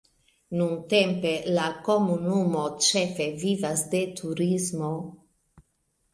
Nuntempe la komunumo ĉefe vivas de turismo.